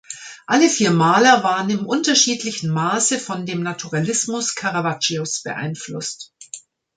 Alle vier Maler waren im unterschiedlichen Maße von dem Naturalismus Caravaggios beeinflusst.